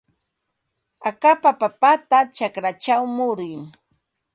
Akapa papata chakrachaw muruy.